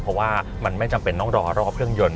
เพราะว่ามันไม่จำเป็นต้องรอรอบเครื่องยนต